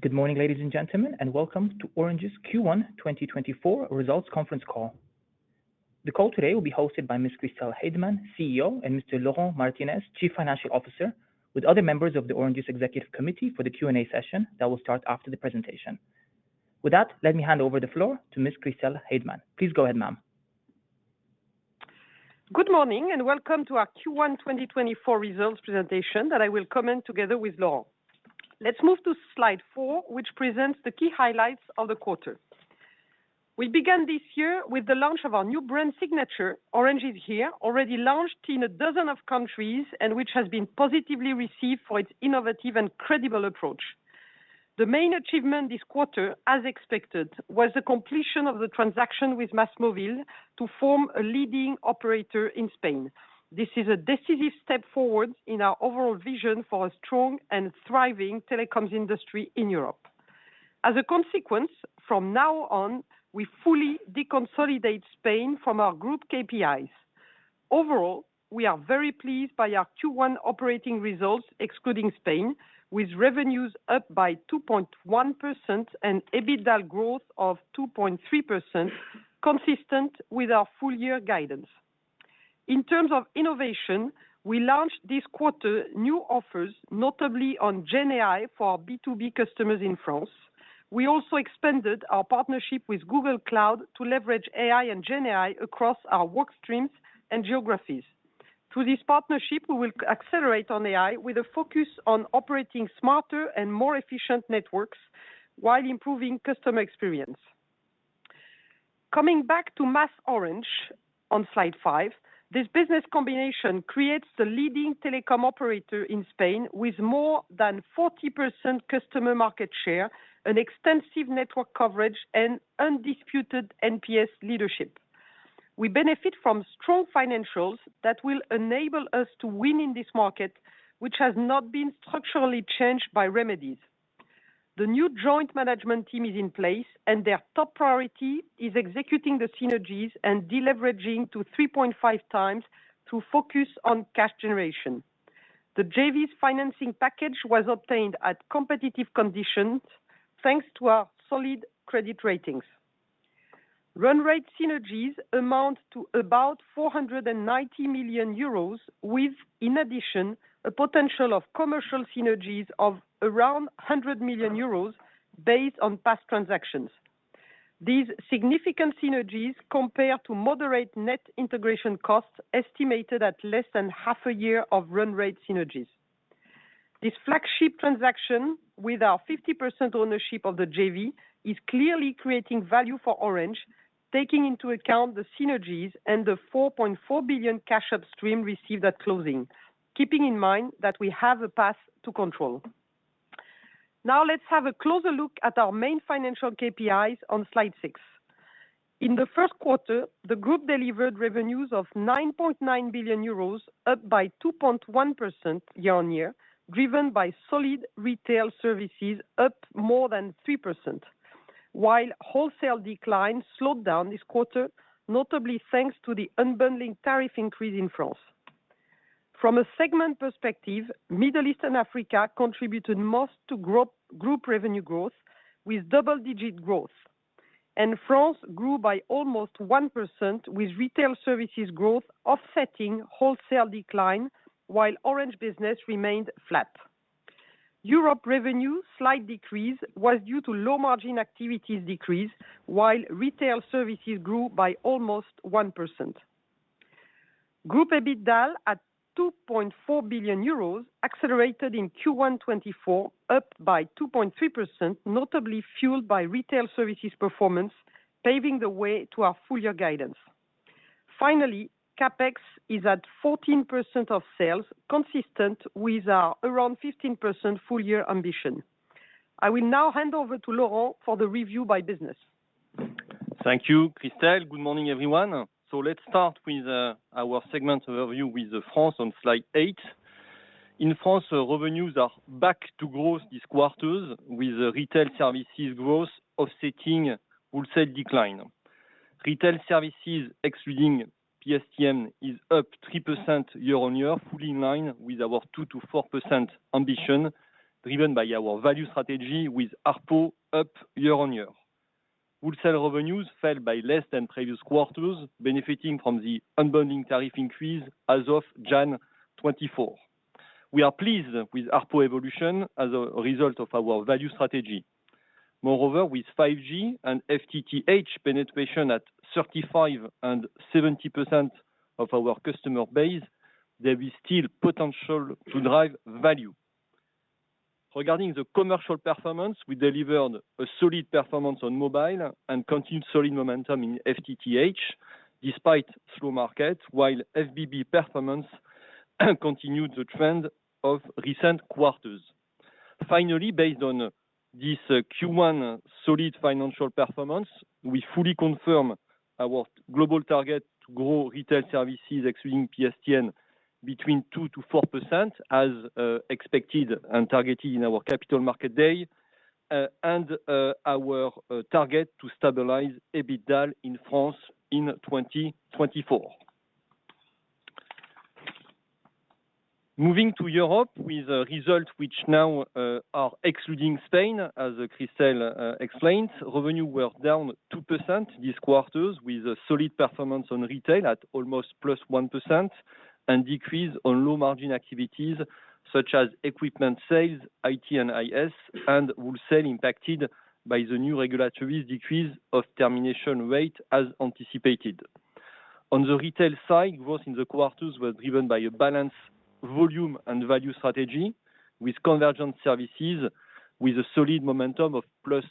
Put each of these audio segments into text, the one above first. Good morning, ladies and gentlemen, and welcome to Orange's Q1 2024 results conference call. The call today will be hosted by Miss Christel Heydemann, CEO, and Mr. Laurent Martinez, Chief Financial Officer, with other members of the Orange's Executive Committee for the Q&A session that will start after the presentation. With that, let me hand over the floor to Miss Christel Heydemann. Please go ahead, ma'am. Good morning and welcome to our Q1 2024 results presentation that I will comment together with Laurent. Let's move to slide four, which presents the key highlights of the quarter. We began this year with the launch of our new brand signature, Orange is here, already launched in a dozen of countries and which has been positively received for its innovative and credible approach. The main achievement this quarter, as expected, was the completion of the transaction with MásMóvil to form a leading operator in Spain. This is a decisive step forward in our overall vision for a strong and thriving telecoms industry in Europe. As a consequence, from now on, we fully deconsolidate Spain from our group KPIs. Overall, we are very pleased by our Q1 operating results excluding Spain, with revenues up by 2.1% and EBITDA growth of 2.3%, consistent with our full-year guidance. In terms of innovation, we launched this quarter new offers, notably on GenAI for our B2B customers in France. We also expanded our partnership with Google Cloud to leverage AI and GenAI across our workstreams and geographies. Through this partnership, we will accelerate on AI with a focus on operating smarter and more efficient networks while improving customer experience. Coming back to MasOrange on slide 5, this business combination creates the leading telecom operator in Spain with more than 40% customer market share, an extensive network coverage, and undisputed NPS leadership. We benefit from strong financials that will enable us to win in this market, which has not been structurally changed by remedies. The new joint management team is in place, and their top priority is executing the synergies and deleveraging to 3.5 times through focus on cash generation. The JV's financing package was obtained at competitive conditions thanks to our solid credit ratings. Run rate synergies amount to about 490 million euros, with, in addition, a potential of commercial synergies of around 100 million euros based on past transactions. These significant synergies compare to moderate net integration costs estimated at less than half a year of run rate synergies. This flagship transaction, with our 50% ownership of the JV, is clearly creating value for Orange, taking into account the synergies and the 4.4 billion cash upstream received at closing, keeping in mind that we have a path to control. Now, let's have a closer look at our main financial KPIs on slide six. In the first quarter, the group delivered revenues of 9.9 billion euros, up by 2.1% year-over-year, driven by solid retail services up more than 3%, while wholesale decline slowed down this quarter, notably thanks to the unbundling tariff increase in France. From a segment perspective, Middle East and Africa contributed most to group revenue growth, with double-digit growth, and France grew by almost 1%, with retail services growth offsetting wholesale decline while Orange Business remained flat. Europe revenue slight decrease was due to low-margin activities decrease, while retail services grew by almost 1%. Group EBITDA at 2.4 billion euros accelerated in Q1 2024, up by 2.3%, notably fueled by retail services performance, paving the way to our full-year guidance. Finally, CapEx is at 14% of sales, consistent with our around 15% full-year ambition. I will now hand over to Laurent for the review by business. Thank you, Christel. Good morning, everyone. So let's start with our segment overview with France on slide eight. In France, revenues are back to growth this quarter, with retail services growth offsetting wholesale decline. Retail services, excluding PSTN, is up 3% year-over-year, fully in line with our 2% to 4% ambition, driven by our value strategy, with ARPO up year-over-year. Wholesale revenues fell by less than previous quarters, benefiting from the unbundling tariff increase as of January 2024. We are pleased with ARPO evolution as a result of our value strategy. Moreover, with 5G and FTTH penetration at 35% and 70% of our customer base, there is still potential to drive value. Regarding the commercial performance, we delivered a solid performance on mobile and continued solid momentum in FTTH despite slow market, while FBB performance continued the trend of recent quarters. Finally, based on this Q1 solid financial performance, we fully confirm our global target to grow retail services, excluding PSTN, between 2% to 4%, as expected and targeted in our Capital Markets Day, and our target to stabilize EBITDA in France in 2024. Moving to Europe, with results which now are excluding Spain, as Christel explained, revenues were down 2% this quarter, with solid performance on retail at almost +1% and decrease on low-margin activities such as equipment sales, IT and IS, and wholesale impacted by the new regulatory decrease of termination rate as anticipated. On the retail side, growth in the quarters was driven by a balanced volume and value strategy, with convergent services with a solid momentum of +7%.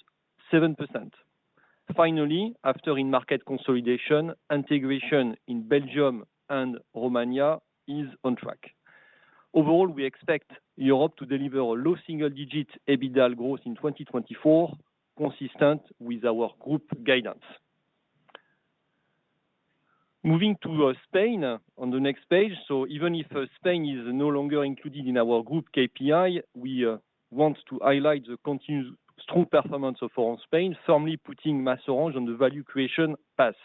Finally, after in-market consolidation, integration in Belgium and Romania is on track. Overall, we expect Europe to deliver a low single-digit EBITDA growth in 2024, consistent with our group guidance. Moving to Spain on the next page, so even if Spain is no longer included in our group KPI, we want to highlight the continued strong performance of Orange Spain, firmly putting MasOrange on the value creation path.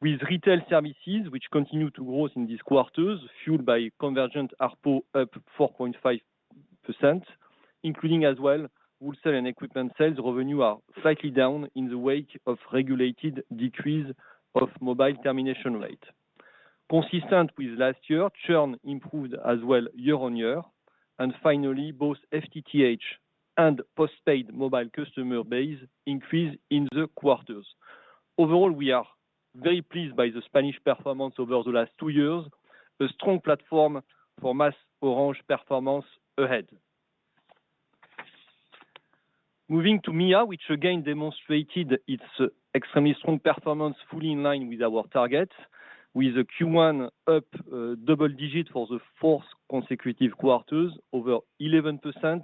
With retail services, which continue to grow in these quarters, fueled by convergent ARPO up 4.5%, including as well wholesale and equipment sales, revenues are slightly down in the wake of regulated decrease of mobile termination rate. Consistent with last year, churn improved as well year-over-year, and finally, both FTTH and postpaid mobile customer base increase in the quarters. Overall, we are very pleased by the Spanish performance over the last two years, a strong platform for MasOrange performance ahead. Moving to MEA, which again demonstrated its extremely strong performance, fully in line with our target, with a Q1 up double-digit for the fourth consecutive quarters, over 11%,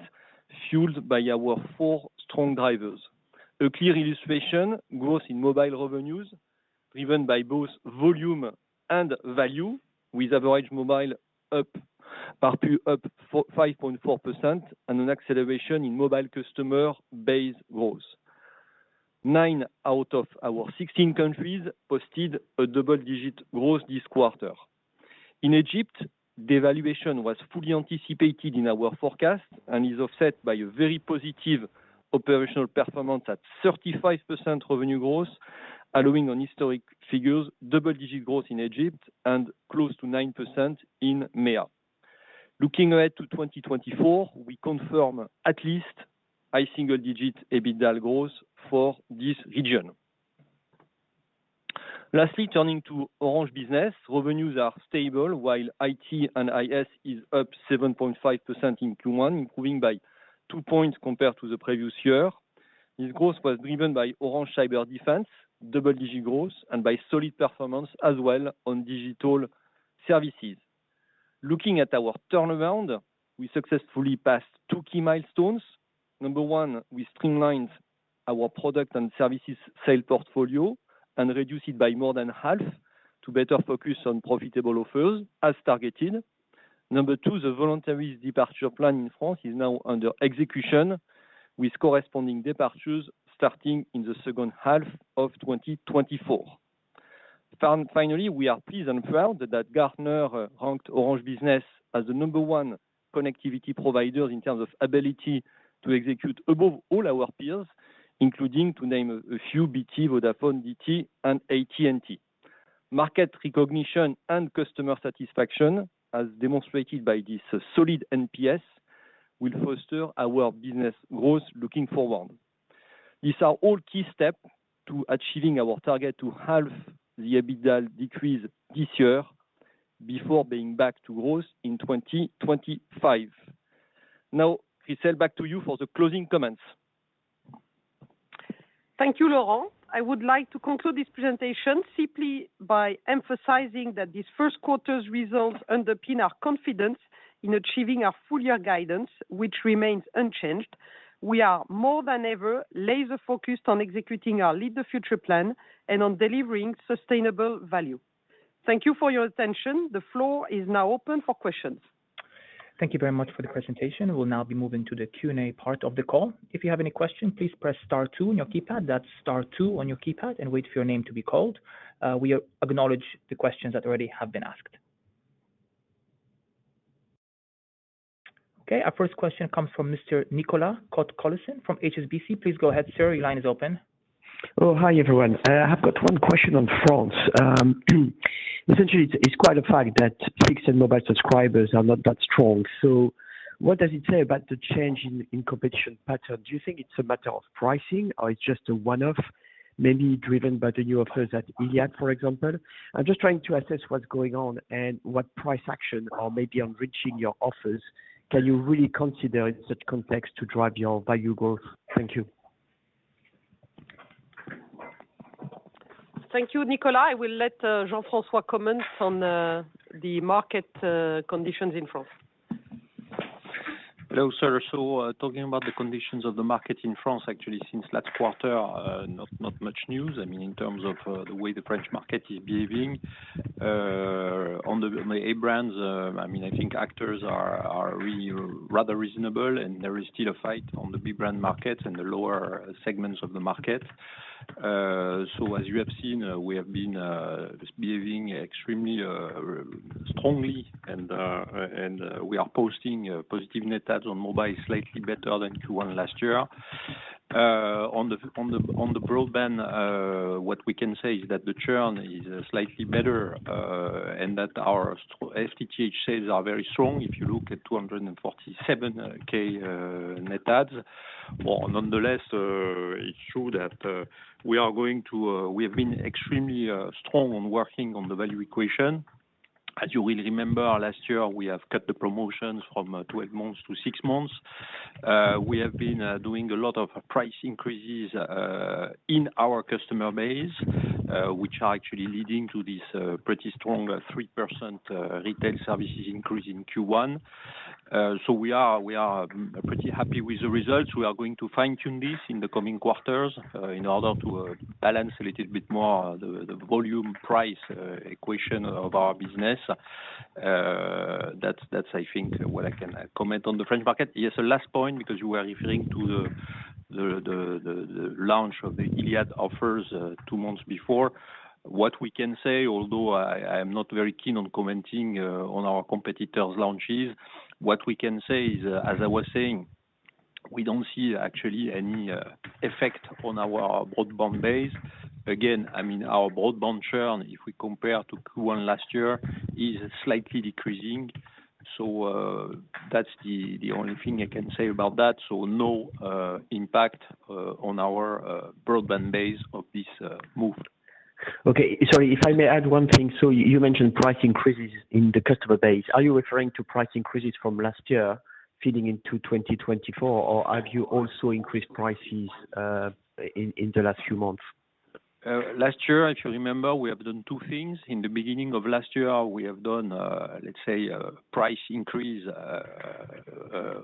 fueled by our four strong drivers. A clear illustration: growth in mobile revenues, driven by both volume and value, with average mobile up 5.4% and an acceleration in mobile customer base growth. Nine out of our 16 countries posted a double-digit growth this quarter. In Egypt, devaluation was fully anticipated in our forecast and is offset by a very positive operational performance at 35% revenue growth, allowing on historic figures double-digit growth in Egypt and close to 9% in MEA. Looking ahead to 2024, we confirm at least high single-digit EBITDA growth for this region. Lastly, turning to Orange Business, revenues are stable while IT and IS is up 7.5% in Q1, improving by two points compared to the previous year. This growth was driven by Orange Cyberdefense, double-digit growth, and by solid performance as well on digital services. Looking at our turnaround, we successfully passed two key milestones. Number one, we streamlined our product and services sales portfolio and reduced it by more than half to better focus on profitable offers as targeted. Number two, the voluntary departure plan in France is now under execution, with corresponding departures starting in the second half of 2024. Finally, we are pleased and proud that Gartner ranked Orange Business as the number one connectivity provider in terms of ability to execute above all our peers, including to name a few: BT, Vodafone, DT, and AT&T. Market recognition and customer satisfaction, as demonstrated by this solid NPS, will foster our business growth looking forward. These are all key steps to achieving our target to halve the EBITDA decrease this year before being back to growth in 2025. Now, Christel, back to you for the closing comments. Thank you, Laurent. I would like to conclude this presentation simply by emphasizing that this first quarter's results underpin our confidence in achieving our full-year guidance, which remains unchanged. We are more than ever laser-focused on executing our Lead the Future plan and on delivering sustainable value. Thank you for your attention. The floor is now open for questions. Thank you very much for the presentation. We'll now be moving to the Q&A part of the call. If you have any question, please press star two on your keypad. That's star two on your keypad, and wait for your name to be called. We acknowledge the questions that already have been asked. Okay, our first question comes from Mr. Nicolas Cote-Colisson from HSBC. Please go ahead, sir. Your line is open. Oh, hi, everyone. I have got one question on France. Essentially, it's quite a fact that fixed and mobile subscribers are not that strong. So what does it say about the change in competition pattern? Do you think it's a matter of pricing, or it's just a one-off, maybe driven by the new offers at Iliad, for example? I'm just trying to assess what's going on and what price action or maybe enriching your offers can you really consider in such context to drive your value growth? Thank you. Thank you, Nicolas. I will let Jean-François comment on the market conditions in France. Hello, sir. So talking about the conditions of the market in France, actually, since last quarter, not much news. I mean, in terms of the way the French market is behaving on the A brands, I mean, I think actors are really rather reasonable, and there is still a fight on the B brand markets and the lower segments of the market. So as you have seen, we have been behaving extremely strongly, and we are posting positive net adds on mobile slightly better than Q1 last year. On the broadband, what we can say is that the churn is slightly better and that our FTTH sales are very strong. If you look at 247,000 net adds, well, nonetheless, it's true that we are going to we have been extremely strong on working on the value equation. As you will remember, last year, we have cut the promotions from 12 months to six months. We have been doing a lot of price increases in our customer base, which are actually leading to this pretty strong 3% retail services increase in Q1. So we are pretty happy with the results. We are going to fine-tune this in the coming quarters in order to balance a little bit more the volume-price equation of our business. That's, I think, what I can comment on the French market. Yes, the last point, because you were referring to the launch of the Iliad offers two months before, what we can say, although I am not very keen on commenting on our competitors' launches, what we can say is, as I was saying, we don't see actually any effect on our broadband base. Again, I mean, our broadband churn, if we compare to Q1 last year, is slightly decreasing. So that's the only thing I can say about that. So no impact on our broadband base of this move. Okay. Sorry, if I may add one thing. So you mentioned price increases in the customer base. Are you referring to price increases from last year feeding into 2024, or have you also increased prices in the last few months? Last year, if you remember, we have done two things. In the beginning of last year, we have done, let's say, a price increase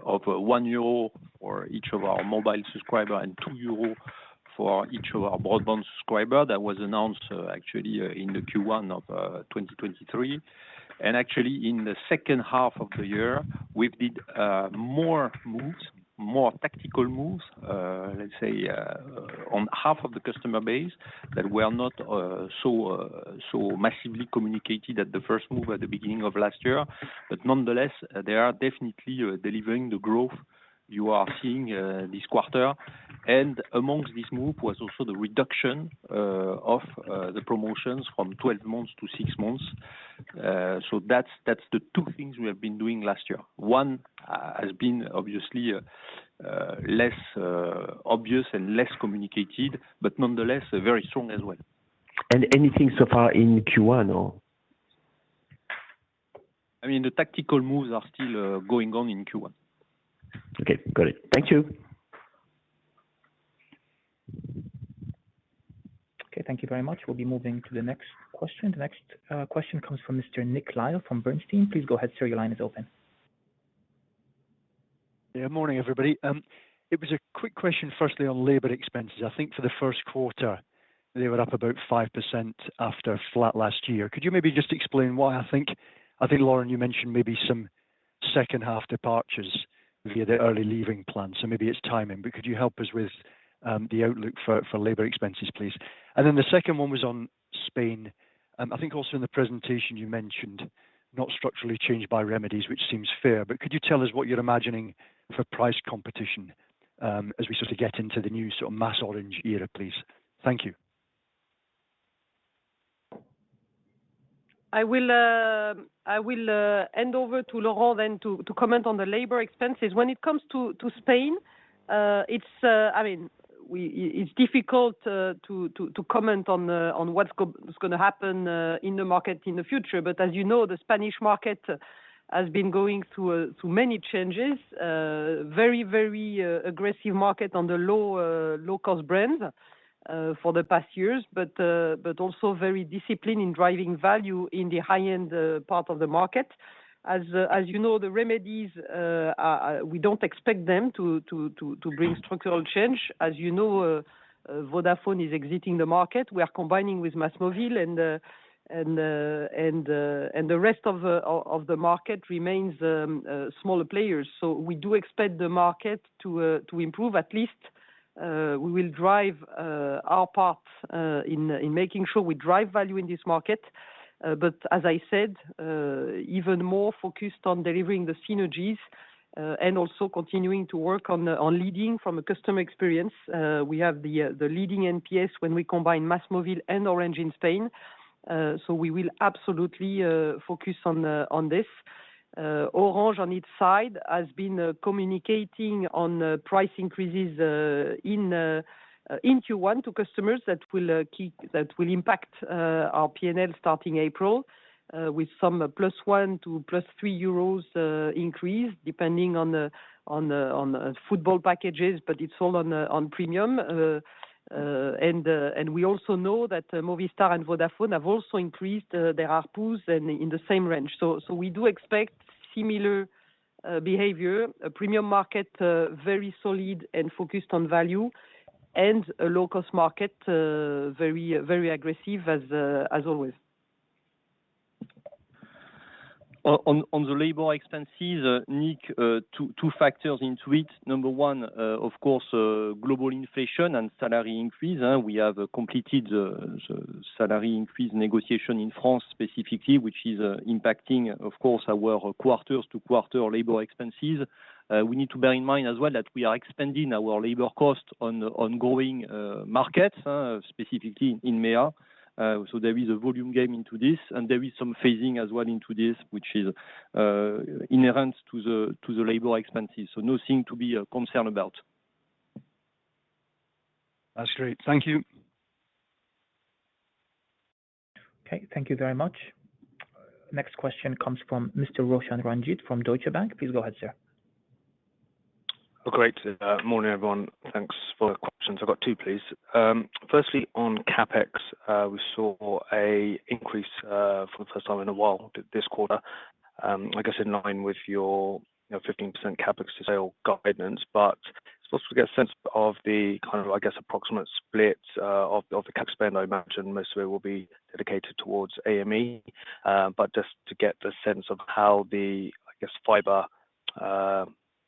of 1 euro for each of our mobile subscribers and 2 euro for each of our broadband subscribers. That was announced, actually, in the Q1 of 2023. Actually, in the second half of the year, we've did more moves, more tactical moves, let's say, on half of the customer base that were not so massively communicated at the first move at the beginning of last year. But nonetheless, they are definitely delivering the growth you are seeing this quarter. And amongst this move was also the reduction of the promotions from 12 months to six months. So that's the two things we have been doing last year. One has been obviously less obvious and less communicated, but nonetheless, very strong as well. Anything so far in Q1, or? I mean, the tactical moves are still going on in Q1. Okay. Got it. Thank you. Okay. Thank you very much. We'll be moving to the next question. The next question comes from Mr. Nick Lyall from Bernstein. Please go ahead, sir. Your line is open. Yeah. Morning, everybody. It was a quick question, firstly, on labor expenses. I think for the first quarter, they were up about 5% after flat last year. Could you maybe just explain why? I think, Laurent, you mentioned maybe some second-half departures via the early leaving plan. So maybe it's timing. But could you help us with the outlook for labor expenses, please? And then the second one was on Spain. I think also in the presentation, you mentioned not structurally changed by remedies, which seems fair. But could you tell us what you're imagining for price competition as we sort of get into the new sort of MasOrange era, please? Thank you. I will hand over to Laurent then to comment on the labor expenses. When it comes to Spain, I mean, it's difficult to comment on what's going to happen in the market in the future. But as you know, the Spanish market has been going through many changes, very, very aggressive market on the low-cost brands for the past years, but also very disciplined in driving value in the high-end part of the market. As you know, the remedies, we don't expect them to bring structural change. As you know, Vodafone is exiting the market. We are combining with MásMóvil, and the rest of the market remains smaller players. So we do expect the market to improve. At least, we will drive our part in making sure we drive value in this market. But as I said, even more focused on delivering the synergies and also continuing to work on leading from a customer experience. We have the leading NPS when we combine MásMóvil and Orange in Spain. So we will absolutely focus on this. Orange, on its side, has been communicating on price increases in Q1 to customers that will impact our P&L starting April with some +1 to +3 euros increase depending on football packages, but it's all on premium. And we also know that Movistar and Vodafone have also increased their ARPUs and in the same range. So we do expect similar behavior: a premium market, very solid and focused on value, and a low-cost market, very aggressive as always. On the labor expenses, Nick, two factors into it. Number one, of course, global inflation and salary increase. We have completed the salary increase negotiation in France specifically, which is impacting, of course, our quarter-to-quarter labor expenses. We need to bear in mind as well that we are expending our labor costs on growing markets, specifically in MEA. So there is a volume game into this, and there is some phasing as well into this, which is inherent to the labor expenses. So nothing to be concerned about. That's great. Thank you. Okay. Thank you very much. Next question comes from Mr. Roshan Ranjit from Deutsche Bank. Please go ahead, sir. Great. Morning, everyone. Thanks for the questions. I've got two, please. Firstly, on CapEx, we saw an increase for the first time in a while this quarter, I guess in line with your 15% CapEx to sales guidance. But is it possible to get a sense of the kind of, I guess, approximate split of the CapEx? I imagine most of it will be dedicated towards MEA. But just to get a sense of how the, I guess, fiber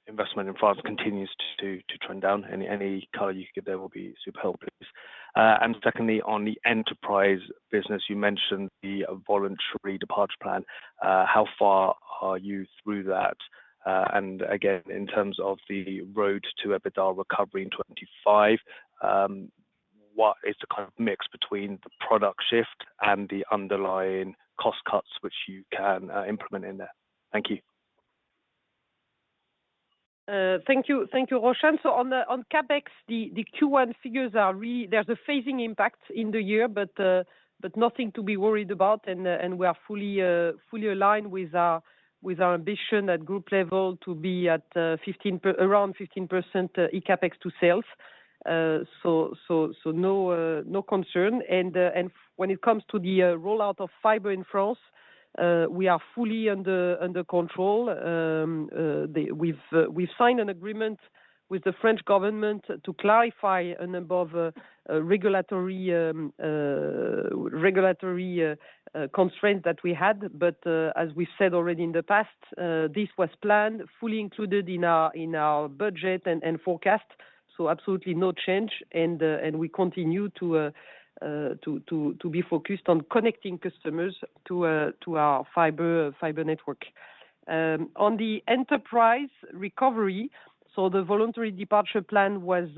investment in France continues to trend down, any color you can give there will be super helpful, please. And secondly, on the enterprise business, you mentioned the voluntary departure plan. How far are you through that? And again, in terms of the road to EBITDA recovery in 2025, what is the kind of mix between the product shift and the underlying cost cuts which you can implement in there? Thank you. Thank you, Roshan. So on CapEx, the Q1 figures are really there's a phasing impact in the year, but nothing to be worried about. And we are fully aligned with our ambition at group level to be at around 15% eCAPEX to sales. So no concern. And when it comes to the rollout of fiber in France, we are fully under control. We've signed an agreement with the French government to clarify a number of regulatory constraints that we had. But as we've said already in the past, this was planned, fully included in our budget and forecast. So absolutely no change. And we continue to be focused on connecting customers to our fiber network. On the enterprise recovery, so the voluntary departure plan was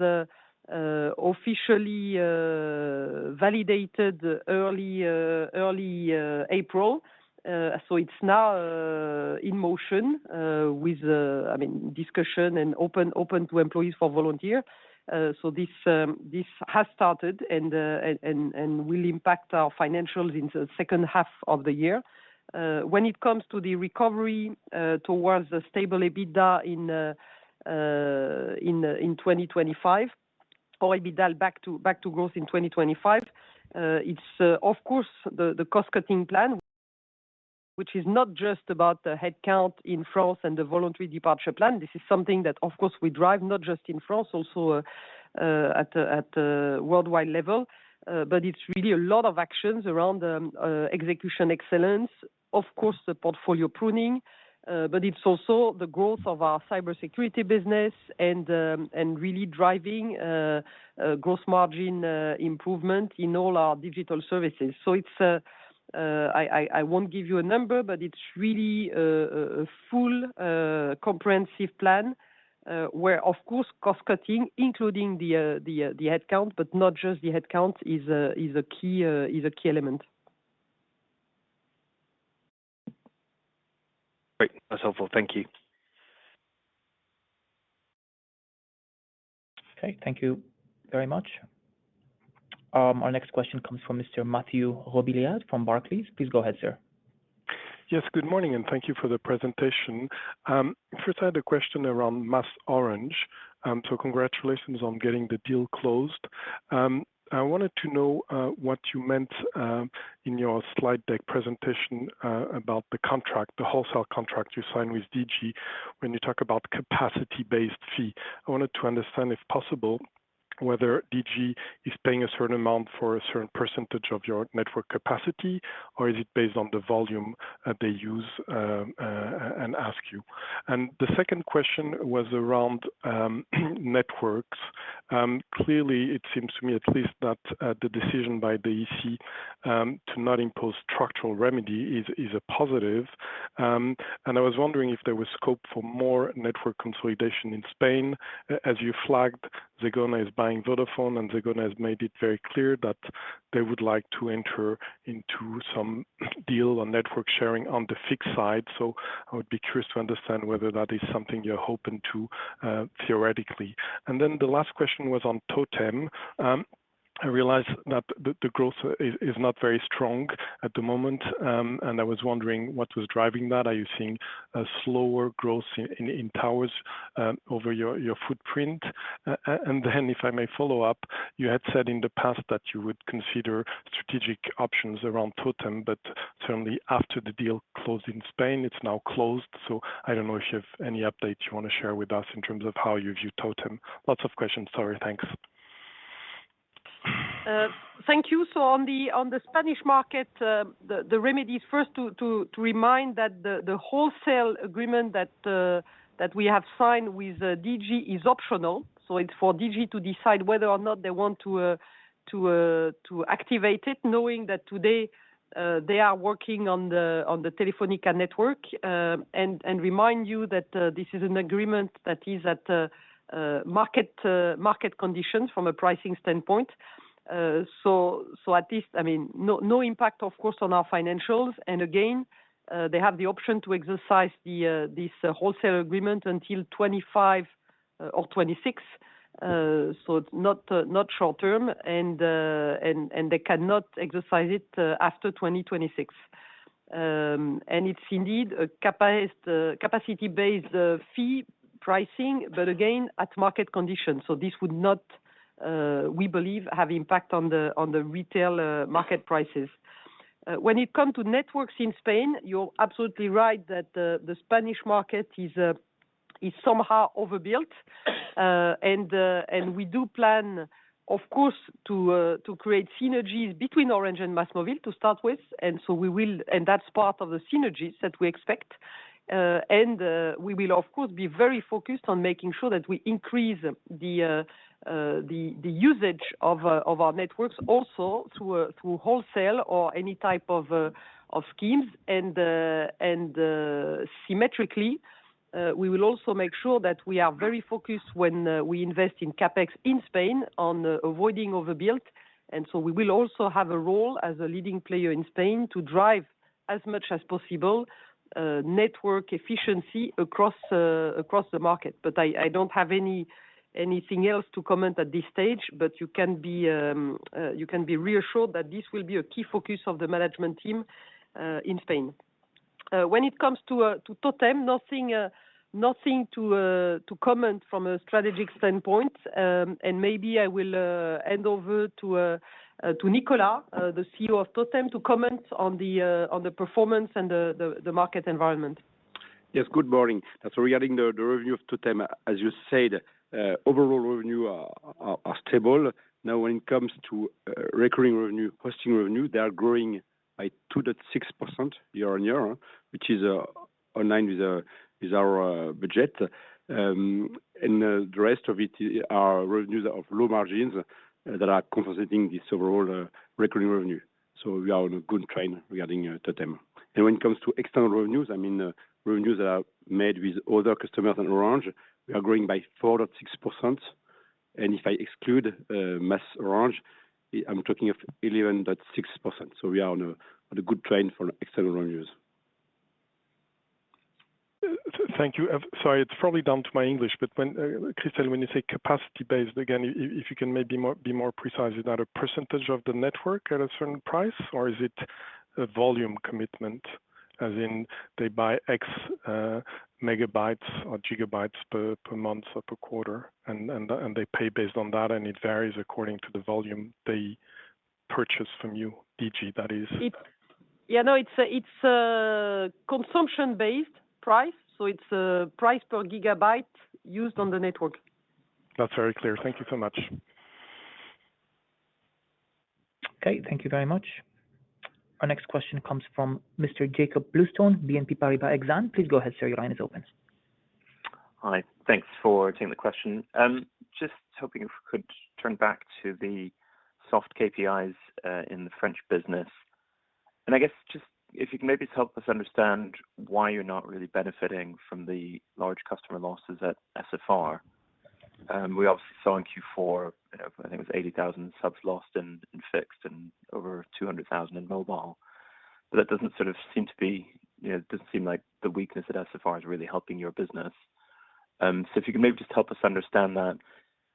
officially validated early April. So it's now in motion with, I mean, discussion and open to employees for volunteer. So this has started and will impact our financials in the second half of the year. When it comes to the recovery towards a stable EBITDA in 2025 or EBITDA back to growth in 2025, it's, of course, the cost-cutting plan, which is not just about the headcount in France and the voluntary departure plan. This is something that, of course, we drive not just in France, also at a worldwide level. But it's really a lot of actions around execution excellence, of course, the portfolio pruning. But it's also the growth of our cybersecurity business and really driving gross margin improvement in all our digital services. So I won't give you a number, but it's really a full, comprehensive plan where, of course, cost-cutting, including the headcount, but not just the headcount, is a key element. Great. That's helpful. Thank you. Okay. Thank you very much. Our next question comes from Mr. Mathieu Robilliard from Barclays. Please go ahead, sir. Yes. Good morning, and thank you for the presentation. First, I had a question around MasOrange. So congratulations on getting the deal closed. I wanted to know what you meant in your slide deck presentation about the contract, the wholesale contract you signed with Digi when you talk about capacity-based fee. I wanted to understand, if possible, whether Digi is paying a certain amount for a certain percentage of your network capacity, or is it based on the volume they use and ask you? And the second question was around networks. Clearly, it seems to me at least that the decision by the EC to not impose structural remedy is a positive. And I was wondering if there was scope for more network consolidation in Spain. As you flagged, Zegona is buying Vodafone, and Zegona has made it very clear that they would like to enter into some deal on network sharing on the fixed side. I would be curious to understand whether that is something you're hoping to theoretically. Then the last question was on Totem. I realize that the growth is not very strong at the moment. I was wondering what was driving that. Are you seeing a slower growth in towers over your footprint? Then, if I may follow up, you had said in the past that you would consider strategic options around Totem, but certainly after the deal closed in Spain, it's now closed. I don't know if you have any updates you want to share with us in terms of how you view Totem. Lots of questions. Sorry. Thanks. Thank you. So on the Spanish market, the remedies, first, to remind that the wholesale agreement that we have signed with Digi is optional. So it's for Digi to decide whether or not they want to activate it, knowing that today they are working on the Telefónica network. And remind you that this is an agreement that is at market conditions from a pricing standpoint. So at least, I mean, no impact, of course, on our financials. And again, they have the option to exercise this wholesale agreement until 2025 or 2026. So it's not short-term. And they cannot exercise it after 2026. And it's indeed a capacity-based fee pricing, but again, at market conditions. So this would not, we believe, have impact on the retail market prices. When it comes to networks in Spain, you're absolutely right that the Spanish market is somehow overbuilt. We do plan, of course, to create synergies between Orange and MásMóvil to start with. That's part of the synergies that we expect. We will, of course, be very focused on making sure that we increase the usage of our networks also through wholesale or any type of schemes. Symmetrically, we will also make sure that we are very focused when we invest in CapEx in Spain on avoiding overbuilt. So we will also have a role as a leading player in Spain to drive as much as possible network efficiency across the market. But I don't have anything else to comment at this stage. You can be reassured that this will be a key focus of the management team in Spain. When it comes to Totem, nothing to comment from a strategic standpoint. Maybe I will hand over to Nicolas, the CEO of Totem, to comment on the performance and the market environment. Yes. Good morning. So regarding the revenue of Totem, as you said, overall revenues are stable. Now, when it comes to recurring revenue, hosting revenue, they are growing by 2.6% year-on-year, which is aligned with our budget. And the rest of it are revenues of low margins that are compensating this overall recurring revenue. So we are on a good train regarding Totem. And when it comes to external revenues, I mean, revenues that are made with other customers than Orange, we are growing by 4.6%. And if I exclude MasOrange, I'm talking of 11.6%. So we are on a good train for external revenues. Thank you. Sorry, it's probably down to my English. But, Christel, when you say capacity-based, again, if you can maybe be more precise, is that a percentage of the network at a certain price, or is it a volume commitment, as in they buy X megabytes or gigabytes per month or per quarter, and they pay based on that, and it varies according to the volume they purchase from you, Digi? That is. Yeah. No, it's a consumption-based price. So it's a price per gigabyte used on the network. That's very clear. Thank you so much. Okay. Thank you very much. Our next question comes from Mr. Jakob Bluestone, BNP Paribas Exane. Please go ahead, sir. Your line is open. Hi. Thanks for taking the question. Just hoping if we could turn back to the soft KPIs in the French business. And I guess just if you can maybe help us understand why you're not really benefiting from the large customer losses at SFR. We obviously saw in Q4, I think it was 80,000 subs lost in fixed and over 200,000 in mobile. But that doesn't seem like the weakness at SFR is really helping your business. So if you can maybe just help us understand that.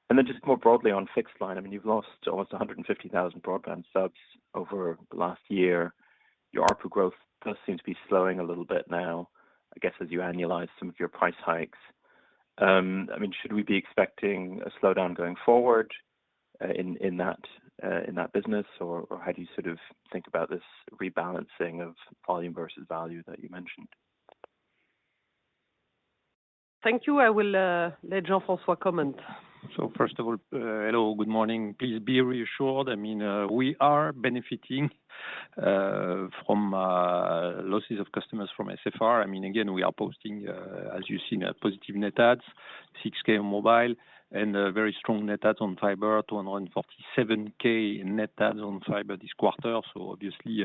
And then just more broadly on fixed line, I mean, you've lost almost 150,000 broadband subs over the last year. Your ARPA growth does seem to be slowing a little bit now, I guess, as you annualize some of your price hikes. I mean, should we be expecting a slowdown going forward in that business, or how do you sort of think about this rebalancing of volume versus value that you mentioned? Thank you. I will let Jean-François comment. So first of all, hello. Good morning. Please be reassured. I mean, we are benefiting from losses of customers from SFR. I mean, again, we are posting, as you've seen, positive net adds, 6K on mobile, and very strong net adds on fiber, 247K net adds on fiber this quarter. So obviously,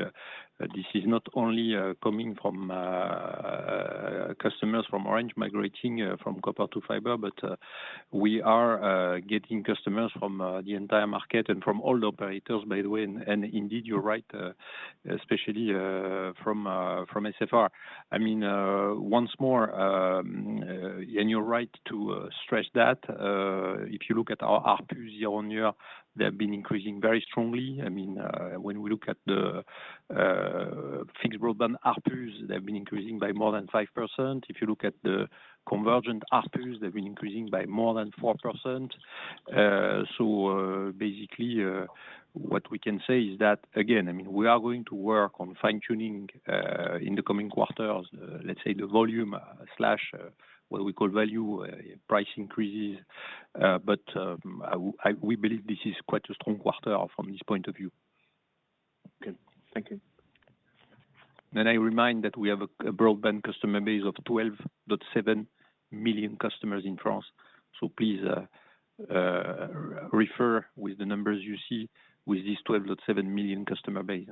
this is not only coming from customers from Orange migrating from copper to fiber, but we are getting customers from the entire market and from all the operators, by the way. And indeed, you're right, especially from SFR. I mean, once more, and you're right to stretch that, if you look at our ARPUs year-on-year, they have been increasing very strongly. I mean, when we look at the fixed broadband ARPUs, they have been increasing by more than 5%. If you look at the convergent ARPUs, they have been increasing by more than 4%. So basically, what we can say is that, again, I mean, we are going to work on fine-tuning in the coming quarters, let's say, the volume slash what we call value price increases. But we believe this is quite a strong quarter from this point of view. Okay. Thank you. I remind that we have a broadband customer base of 12.7 million customers in France. Please refer with the numbers you see with this 12.7 million customer base.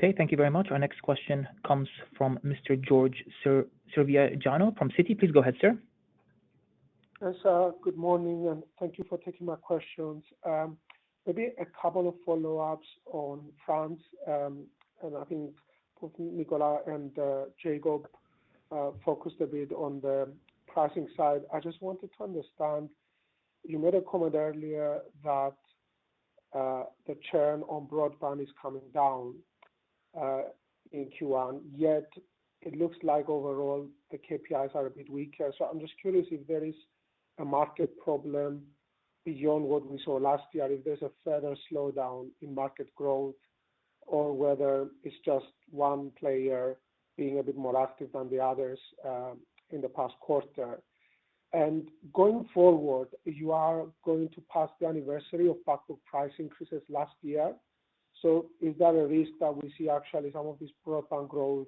Okay. Thank you very much. Our next question comes from Mr. Georgios Ierodiaconou from Citi. Please go ahead, sir. Yes. Good morning. And thank you for taking my questions. Maybe a couple of follow-ups on France. And I think both Nicolas and Jacob focused a bit on the pricing side. I just wanted to understand. You made a comment earlier that the churn on broadband is coming down in Q1. Yet it looks like overall, the KPIs are a bit weaker. So I'm just curious if there is a market problem beyond what we saw last year, if there's a further slowdown in market growth, or whether it's just one player being a bit more active than the others in the past quarter. And going forward, you are going to pass the anniversary of backward price increases last year. So is that a risk that we see, actually, some of this broadband growth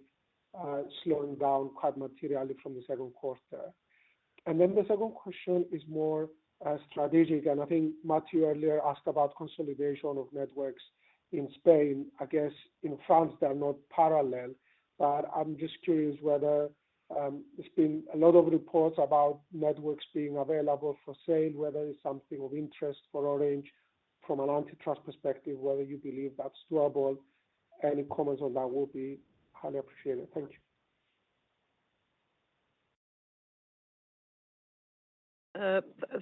slowing down quite materially from the second quarter? And then the second question is more strategic. I think Matthew earlier asked about consolidation of networks in Spain. I guess in France, they are not parallel. But I'm just curious whether there's been a lot of reports about networks being available for sale, whether it's something of interest for Orange from an antitrust perspective, whether you believe that's doable. Any comments on that will be highly appreciated. Thank you.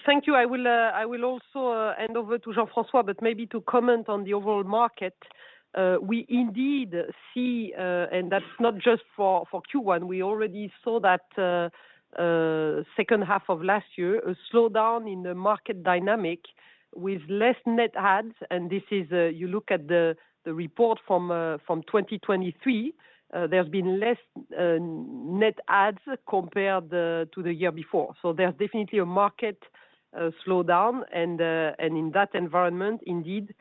Thank you. I will also hand over to Jean-François, but maybe to comment on the overall market. We indeed see and that's not just for Q1. We already saw that second half of last year, a slowdown in the market dynamic with less net adds. You look at the report from 2023, there's been less net adds compared to the year before. So there's definitely a market slowdown. In that environment, indeed,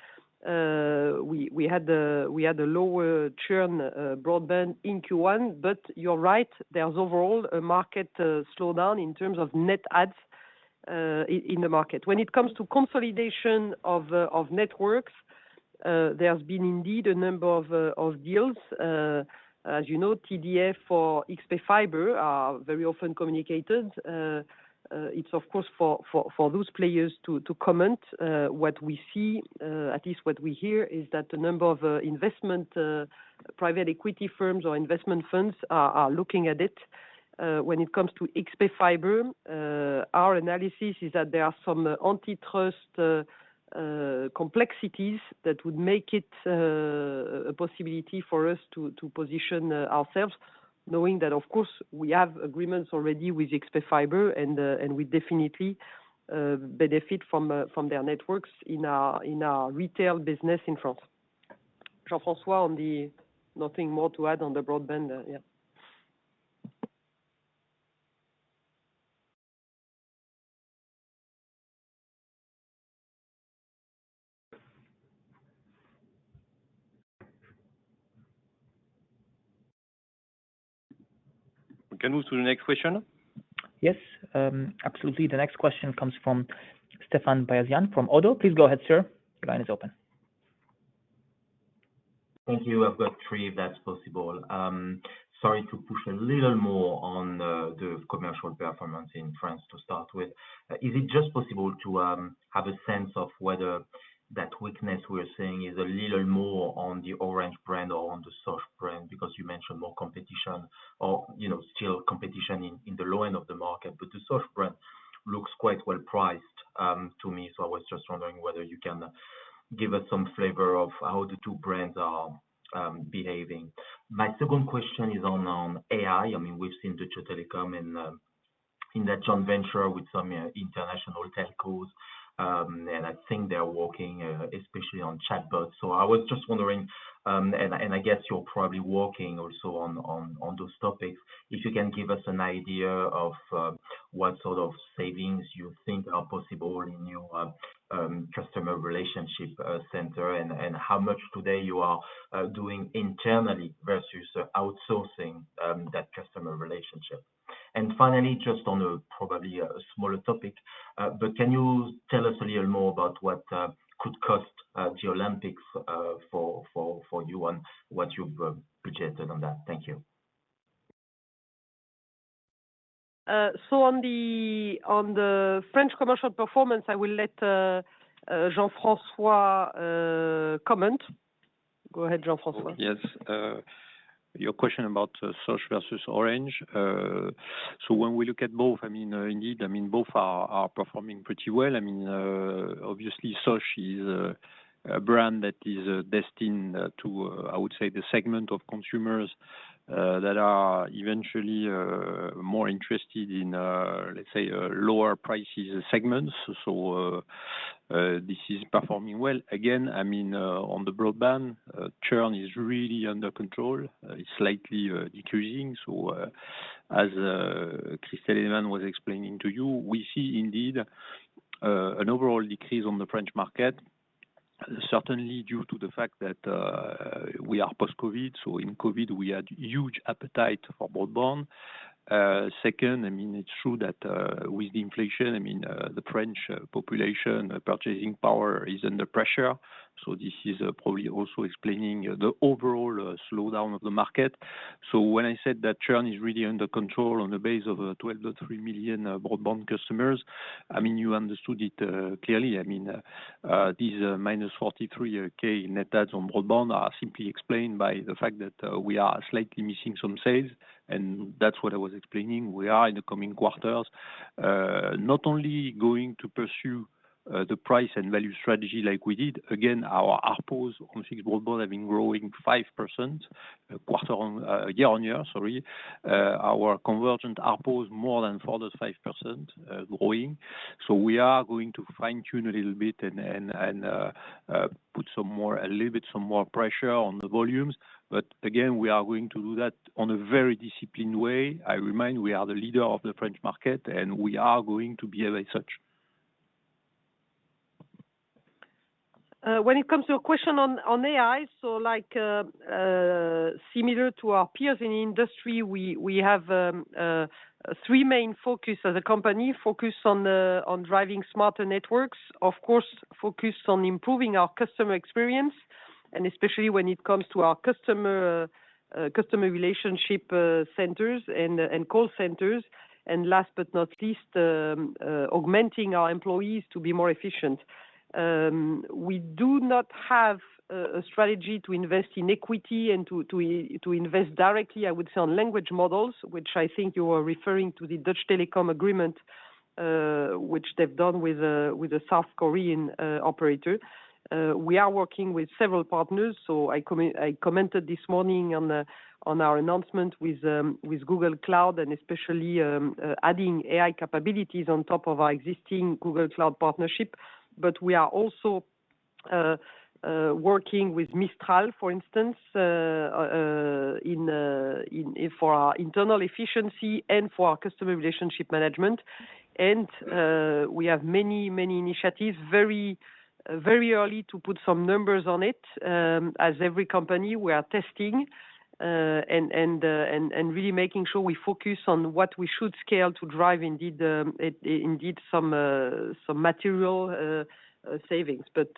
we had a lower churn broadband in Q1. But you're right. There's overall a market slowdown in terms of net adds in the market. When it comes to consolidation of networks, there's been indeed a number of deals. As you know, TDF or XP Fibre are very often communicated. It's, of course, for those players to comment what we see. At least what we hear is that a number of investment private equity firms or investment funds are looking at it. When it comes to XP Fibre, our analysis is that there are some antitrust complexities that would make it a possibility for us to position ourselves, knowing that, of course, we have agreements already with XP Fibre, and we definitely benefit from their networks in our retail business in France. Jean-François, nothing more to add on the broadband. Yeah. Can move to the next question? Yes. Absolutely. The next question comes from Stéphane Beyazian from ODDO. Please go ahead, sir. Your line is open. Thank you. I've got three if that's possible. Sorry to push a little more on the commercial performance in France to start with. Is it just possible to have a sense of whether that weakness we're seeing is a little more on the Orange brand or on the Sosh brand? Because you mentioned more competition or still competition in the low end of the market. But the Sosh brand looks quite well-priced to me. So I was just wondering whether you can give us some flavor of how the two brands are behaving. My second question is on AI. I mean, we've seen Deutsche Telekom in that joint venture with some international telcos. And I think they're working, especially on chatbots. I was just wondering and I guess you're probably working also on those topics, if you can give us an idea of what sort of savings you think are possible in your customer relationship center and how much today you are doing internally versus outsourcing that customer relationship. Finally, just on probably a smaller topic, but can you tell us a little more about what the Olympics could cost for you and what you've budgeted on that? Thank you. On the French commercial performance, I will let Jean-François comment. Go ahead, Jean-François. Yes. Your question about Sosh versus Orange. So when we look at both, I mean, indeed, I mean, both are performing pretty well. I mean, obviously, Sosh is a brand that is destined to, I would say, the segment of consumers that are eventually more interested in, let's say, lower-priced segments. So this is performing well. Again, I mean, on the broadband, churn is really under control. It's slightly decreasing. So as Christel Heydemann was explaining to you, we see indeed an overall decrease on the French market, certainly due to the fact that we are post-COVID. So in COVID, we had huge appetite for broadband. Second, I mean, it's true that with the inflation, I mean, the French population purchasing power is under pressure. So this is probably also explaining the overall slowdown of the market. So when I said that churn is really under control on the base of 12.3 million broadband customers, I mean, you understood it clearly. I mean, these -43K net adds on broadband are simply explained by the fact that we are slightly missing some sales. And that's what I was explaining. We are in the coming quarters not only going to pursue the price and value strategy like we did. Again, our ARPUs on fixed broadband have been growing 5% year-over-year, sorry. Our convergent ARPUs more than 4.5% growing. So we are going to fine-tune a little bit and put a little bit some more pressure on the volumes. But again, we are going to do that on a very disciplined way. I remind, we are the leader of the French market, and we are going to be as such. When it comes to a question on AI, so similar to our peers in the industry, we have three main focuses as a company: focus on driving smarter networks, of course, focus on improving our customer experience, and especially when it comes to our customer relationship centers and call centers, and last but not least, augmenting our employees to be more efficient. We do not have a strategy to invest in equity and to invest directly, I would say, on language models, which I think you were referring to the Deutsche Telekom agreement, which they've done with a South Korean operator. We are working with several partners. So I commented this morning on our announcement with Google Cloud and especially adding AI capabilities on top of our existing Google Cloud partnership. But we are also working with Mistral, for instance, for our internal efficiency and for our customer relationship management. We have many, many initiatives very early to put some numbers on it. As every company, we are testing and really making sure we focus on what we should scale to drive indeed some material savings, but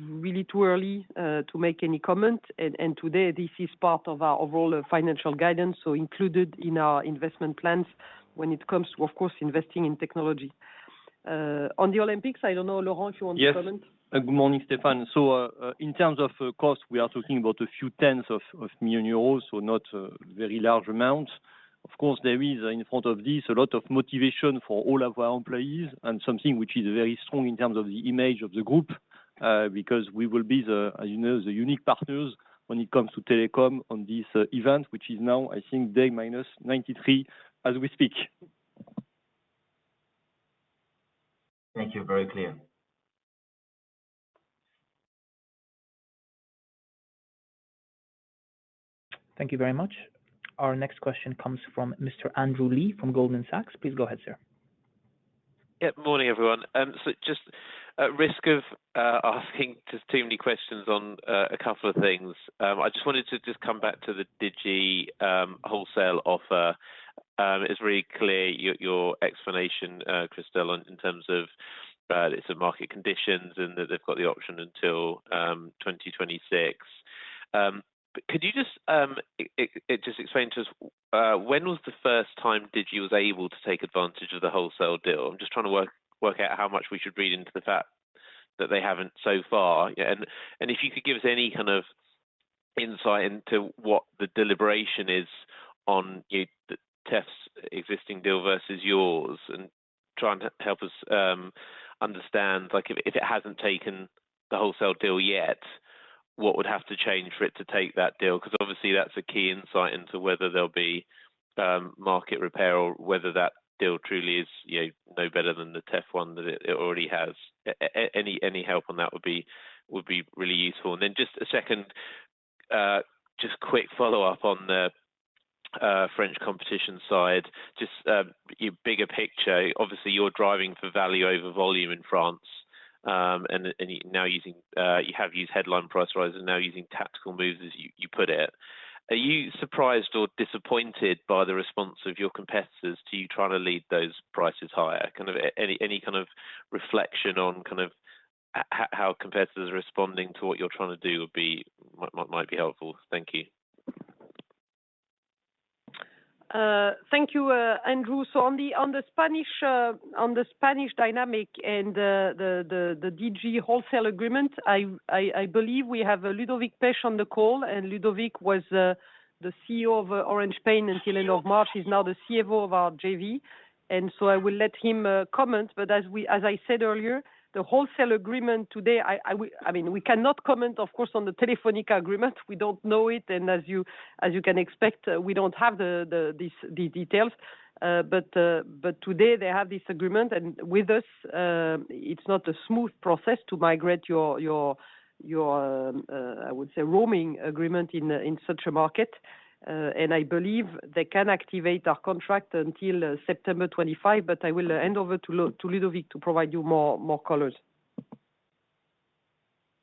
really too early to make any comment. Today, this is part of our overall financial guidance, so included in our investment plans when it comes to, of course, investing in technology. On the Olympics, I don't know, Laurent, if you want to comment. Yes. Good morning, Stephane. So in terms of cost, we are talking about a few tens of million EUR, so not a very large amount. Of course, there is in front of this a lot of motivation for all of our employees and something which is very strong in terms of the image of the group because we will be the unique partners when it comes to telecom on this event, which is now, I think, day minus 93 as we speak. Thank you. Very clear. Thank you very much. Our next question comes from Mr. Andrew Lee from Goldman Sachs. Please go ahead, sir. Good morning, everyone. So just at risk of asking too many questions on a couple of things, I just wanted to just come back to the Digi wholesale offer. It's very clear your explanation, Christel, in terms of it's a market conditions and that they've got the option until 2026. Could you just explain to us when was the first time Digi was able to take advantage of the wholesale deal? I'm just trying to work out how much we should read into the fact that they haven't so far. And if you could give us any kind of insight into what the deliberation is on TEF's existing deal versus yours and try and help us understand if it hasn't taken the wholesale deal yet, what would have to change for it to take that deal? Because obviously, that's a key insight into whether there'll be market repair or whether that deal truly is no better than the TEF one that it already has. Any help on that would be really useful. And then just a second, just quick follow-up on the French competition side, just bigger picture. Obviously, you're driving for value over volume in France and now have used headline price rises and now using tactical moves, as you put it. Are you surprised or disappointed by the response of your competitors to you trying to lead those prices higher? Kind of any kind of reflection on kind of how competitors are responding to what you're trying to do might be helpful. Thank you. Thank you, Andrew. So on the Spanish dynamic and the Digi wholesale agreement, I believe we have Ludovic Pech on the call. And Ludovic was the CEO of Orange Spain until the end of March. He's now the CFO of our JV. And so I will let him comment. But as I said earlier, the wholesale agreement today, I mean, we cannot comment, of course, on the Telefónica agreement. We don't know it. And as you can expect, we don't have the details. But today, they have this agreement. And with us, it's not a smooth process to migrate your, I would say, roaming agreement in such a market. And I believe they can activate our contract until September 25. But I will hand over to Ludovic to provide you more colors.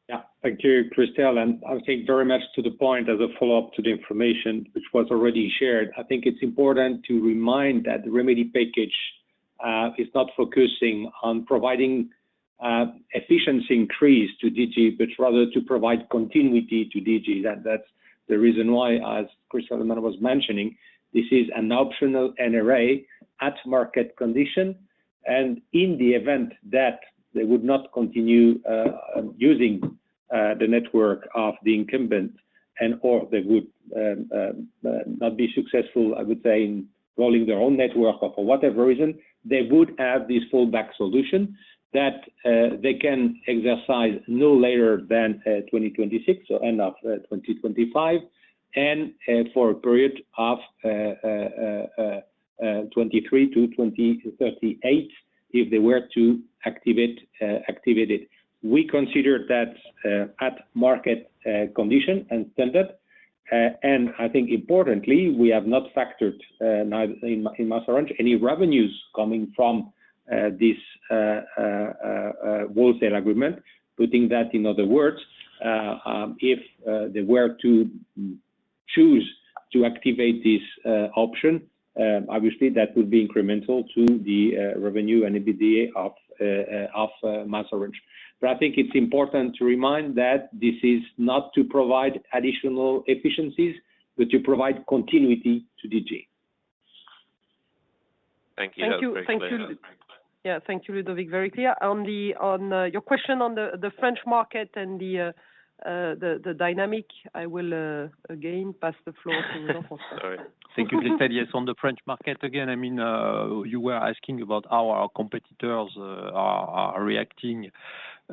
Yeah. Thank you, Christel. And I think very much to the point as a follow-up to the information which was already shared, I think it's important to remind that the remedy package is not focusing on providing efficiency increase to Digi, but rather to provide continuity to Digi. That's the reason why, as Christel Heydemann was mentioning, this is an optional NRA at market condition. And in the event that they would not continue using the network of the incumbent and/or they would not be successful, I would say, in rolling their own network or for whatever reason, they would have this fallback solution that they can exercise no later than 2026, so end of 2025, and for a period of 2023 to 2038 if they were to activate it. We consider that at market condition and standard. I think, importantly, we have not factored in MasOrange any revenues coming from this wholesale agreement. Putting that in other words, if they were to choose to activate this option, obviously, that would be incremental to the revenue and EBITDA of MasOrange. I think it's important to remind that this is not to provide additional efficiencies, but to provide continuity to Digi. Thank you. Thank you. Yeah. Thank you, Ludovic. Very clear. On your question on the French market and the dynamic, I will again pass the floor to Jean-François. All right. Thank you, Christel. Yes. On the French market again, I mean, you were asking about how our competitors are reacting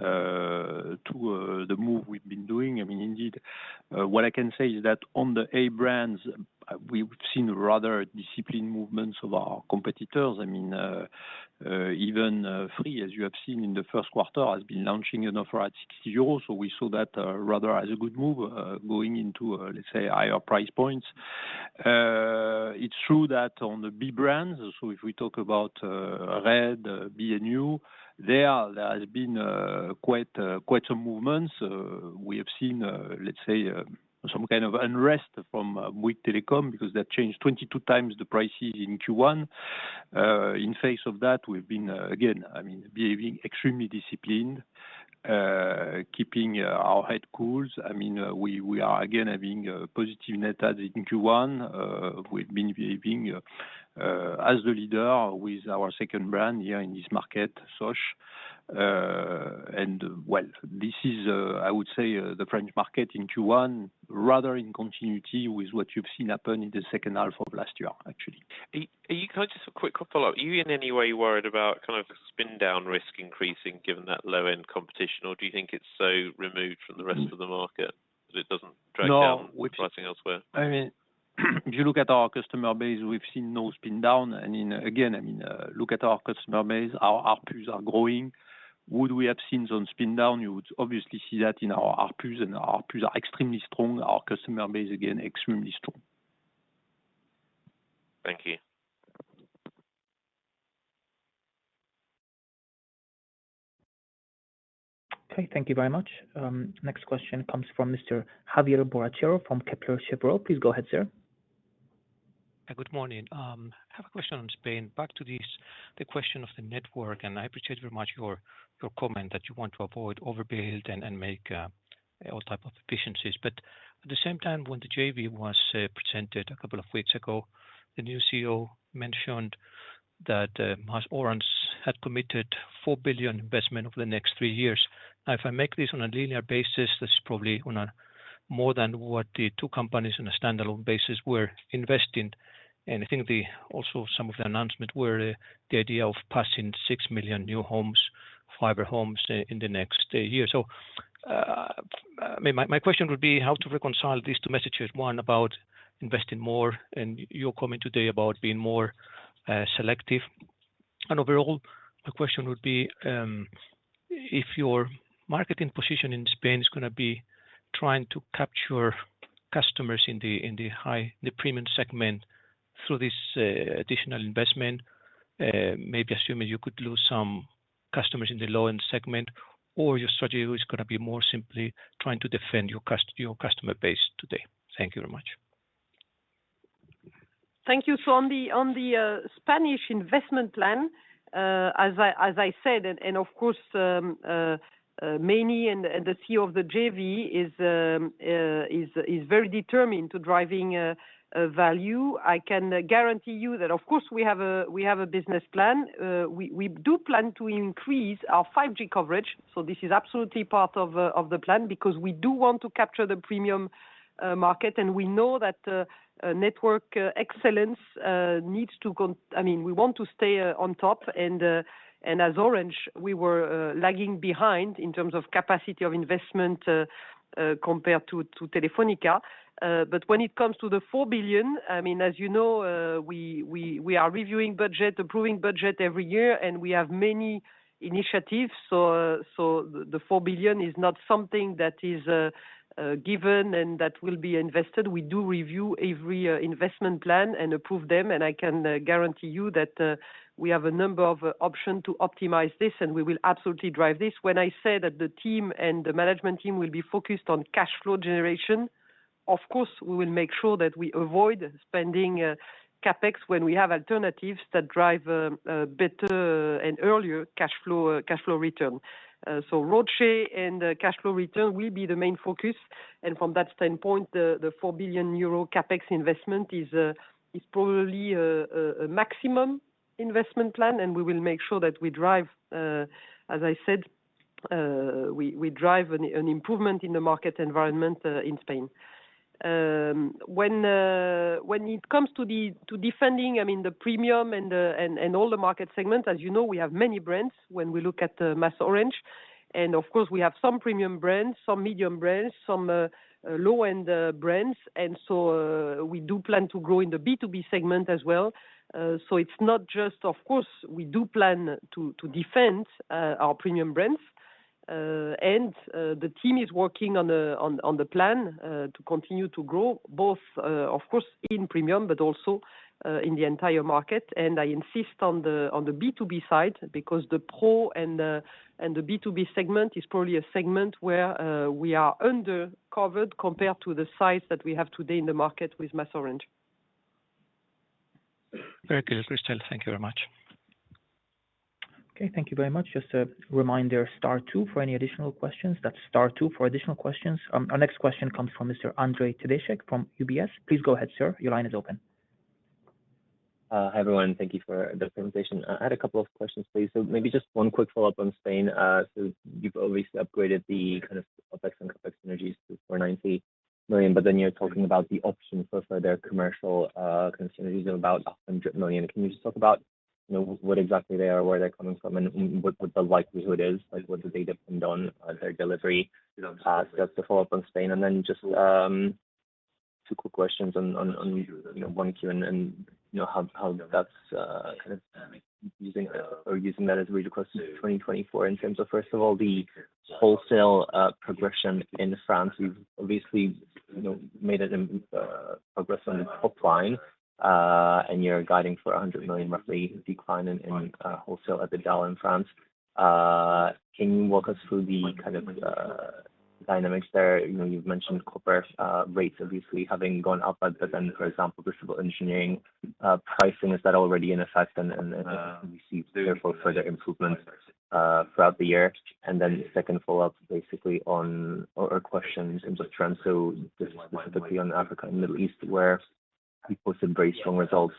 to the move we've been doing. I mean, indeed, what I can say is that on the A brands, we've seen rather disciplined movements of our competitors. I mean, even Free, as you have seen in the first quarter, has been launching an offer at 60 euros. So we saw that rather as a good move going into, let's say, higher price points. It's true that on the B brands, so if we talk about RED, B&You, there, there has been quite some movements. We have seen, let's say, some kind of unrest from Bouygues Telecom because they've changed 22 times the prices in Q1. In face of that, we've been, again, I mean, behaving extremely disciplined, keeping our head cool. I mean, we are, again, having positive net adds in Q1. We've been behaving as the leader with our second brand here in this market, Sosh. Well, this is, I would say, the French market in Q1, rather in continuity with what you've seen happen in the second half of last year, actually. Are you kind of just a quick follow-up? Are you in any way worried about kind of spin-down risk increasing given that low-end competition, or do you think it's so removed from the rest of the market that it doesn't drag down pricing elsewhere? No. I mean, if you look at our customer base, we've seen no spin-down. And again, I mean, look at our customer base. Our ARPUs are growing. Would we have seen some spin-down? You would obviously see that in our ARPUs. And our ARPUs are extremely strong. Our customer base, again, extremely strong. Thank you. Okay. Thank you very much. Next question comes from Mr. Javier Borrachero from Kepler Cheuvreux. Please go ahead, sir. Good morning. I have a question on Spain. Back to the question of the network. And I appreciate very much your comment that you want to avoid overbuild and make all type of efficiencies. But at the same time, when the JV was presented a couple of weeks ago, the new CEO mentioned that MasOrange had committed 4 billion investment over the next three years. Now, if I make this on a linear basis, this is probably more than what the two companies on a standalone basis were investing. And I think also some of the announcements were the idea of passing 6 million new homes, fiber homes, in the next year. So I mean, my question would be how to reconcile these two messages. One, about investing more. And you're coming today about being more selective. Overall, my question would be if your marketing position in Spain is going to be trying to capture customers in the premium segment through this additional investment, maybe assuming you could lose some customers in the low-end segment, or your strategy is going to be more simply trying to defend your customer base today. Thank you very much. Thank you. So on the Spanish investment plan, as I said, and of course, Meinrad and the CEO of the JV is very determined to drive value. I can guarantee you that, of course, we have a business plan. We do plan to increase our 5G coverage. So this is absolutely part of the plan because we do want to capture the premium market. And we know that network excellence needs to, I mean, we want to stay on top. And as Orange, we were lagging behind in terms of capacity of investment compared to Telefónica. But when it comes to the 4 billion, I mean, as you know, we are reviewing budget, approving budget every year. And we have many initiatives. So the 4 billion is not something that is given and that will be invested. We do review every investment plan and approve them. I can guarantee you that we have a number of options to optimize this. We will absolutely drive this. When I said that the team and the management team will be focused on cash flow generation, of course, we will make sure that we avoid spending CapEx when we have alternatives that drive better and earlier cash flow return. ROCE and cash flow return will be the main focus. From that standpoint, the 4 billion euro CapEx investment is probably a maximum investment plan. We will make sure that we drive, as I said, we drive an improvement in the market environment in Spain. When it comes to defending, I mean, the premium and all the market segment, as you know, we have many brands when we look at MasOrange. Of course, we have some premium brands, some medium brands, some low-end brands. We do plan to grow in the B2B segment as well. It's not just of course, we do plan to defend our premium brands. The team is working on the plan to continue to grow, both, of course, in premium, but also in the entire market. I insist on the B2B side because the pro and the B2B segment is probably a segment where we are undercovered compared to the size that we have today in the market with MasOrange. Very good, Christel. Thank you very much. Okay. Thank you very much. Just a reminder, star two for any additional questions. That's star two for additional questions. Our next question comes from Mr. Ondrej Cabejsek from UBS. Please go ahead, sir. Your line is open. Hi everyone. Thank you for the presentation. I had a couple of questions, please. So maybe just one quick follow-up on Spain. So you've obviously upgraded the kind of OpEx and CapEx synergies to 490 million. But then you're talking about the option for further commercial synergies of about 100 million. Can you just talk about what exactly they are, where they're coming from, and what the likelihood is, what do they depend on, their delivery? So that's the follow-up on Spain. And then just two quick questions on Q1 and how that's kind of using that as a read-through for 2024 in terms of, first of all, the wholesale progression in France. You've obviously made progress on the top line. And you're guiding for roughly 100 million decline in wholesale deals in France. Can you walk us through the kind of dynamics there? You've mentioned copper rates, obviously, having gone up. But then, for example, civil engineering pricing, is that already in effect and received, therefore, further improvements throughout the year? And then second follow-up, basically, on our questions in both terms. So this is specifically on Africa and Middle East where you posted very strong results,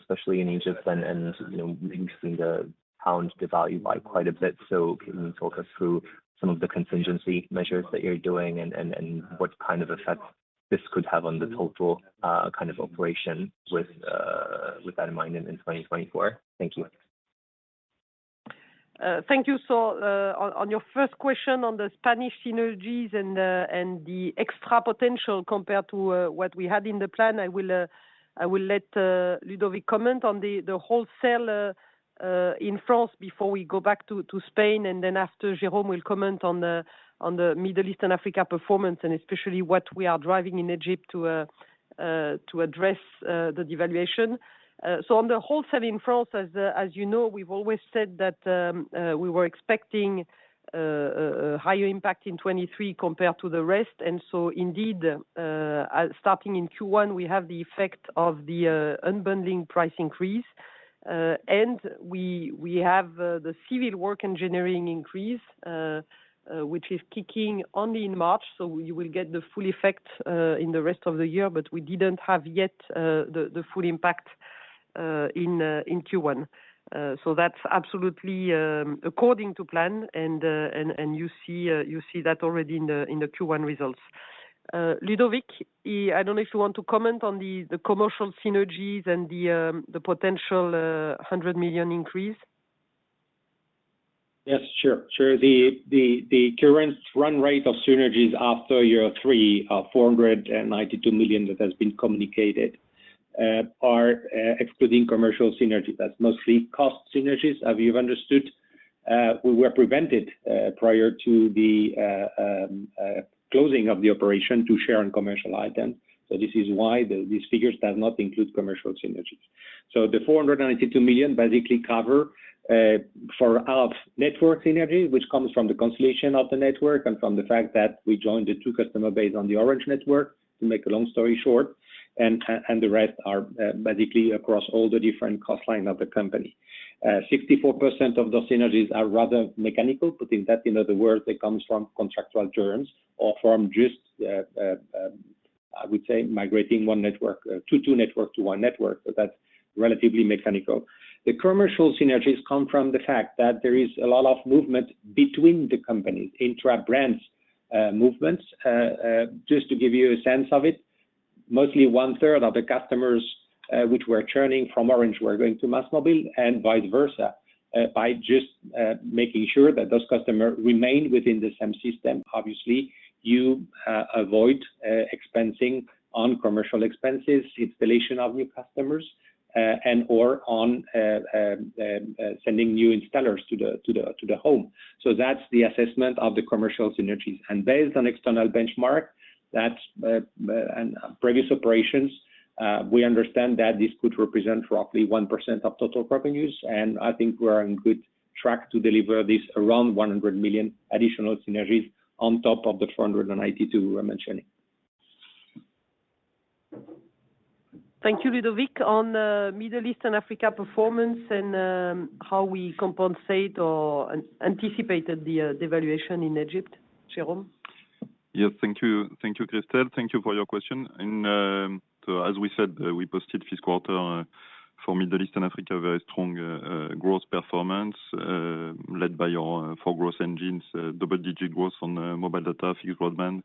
especially in Egypt. And we've seen the pound devalue by quite a bit. So can you talk us through some of the contingency measures that you're doing and what kind of effect this could have on the total kind of operation with that in mind in 2024? Thank you. Thank you. So on your first question on the Spanish synergies and the extra potential compared to what we had in the plan, I will let Ludovic comment on the wholesale in France before we go back to Spain. And then after, Jérôme will comment on the Middle East and Africa performance and especially what we are driving in Egypt to address the devaluation. So on the wholesale in France, as you know, we've always said that we were expecting a higher impact in 2023 compared to the rest. And so indeed, starting in Q1, we have the effect of the unbundling price increase. And we have the civil work engineering increase, which is kicking only in March. So you will get the full effect in the rest of the year. But we didn't have yet the full impact in Q1. So that's absolutely according to plan. You see that already in the Q1 results. Ludovic, I don't know if you want to comment on the commercial synergies and the potential 100 million increase. Yes. Sure. Sure. The current run rate of synergies after year three, 492 million that has been communicated, are excluding commercial synergies. That's mostly cost synergies, have you understood? We were prevented prior to the closing of the operation to share on commercial items. So this is why these figures do not include commercial synergies. So the 492 million basically cover for our network synergy, which comes from the consolidation of the network and from the fact that we joined the two customer base on the Orange network, to make a long story short. And the rest are basically across all the different cost line of the company. 64% of those synergies are rather mechanical. Putting that in other words, it comes from contractual terms or from just, I would say, migrating one network to two networks to one network. So that's relatively mechanical. The commercial synergies come from the fact that there is a lot of movement between the companies, intra-brand movements. Just to give you a sense of it, mostly one-third of the customers which were turning from Orange were going to MásMóvil and vice versa. By just making sure that those customers remain within the same system, obviously, you avoid expensing on commercial expenses, installation of new customers, and/or on sending new installers to the home. So that's the assessment of the commercial synergies. Based on external benchmark and previous operations, we understand that this could represent roughly 1% of total revenues. I think we're on good track to deliver this around 100 million additional synergies on top of the 492 million we were mentioning. Thank you, Ludovic, on Middle East and Africa performance and how we compensate or anticipated the devaluation in Egypt, Jérôme? Yes. Thank you, Christel. Thank you for your question. And so as we said, we posted this quarter for Middle East and Africa very strong growth performance led by your four growth engines, double-digit growth on mobile data, fixed broadband,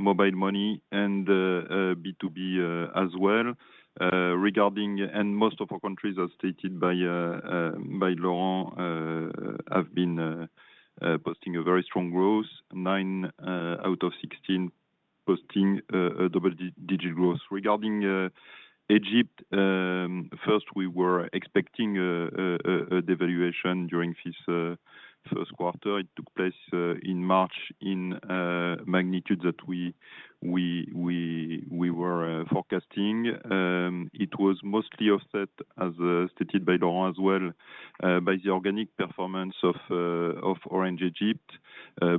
mobile money, and B2B as well. And most of our countries, as stated by Laurent, have been posting a very strong growth, nine out of 16 posting double-digit growth. Regarding Egypt, first, we were expecting a devaluation during this first quarter. It took place in March in magnitude that we were forecasting. It was mostly offset, as stated by Laurent as well, by the organic performance of Orange Egypt,